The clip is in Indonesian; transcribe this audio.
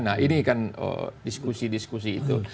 nah ini kan diskusi diskusi itu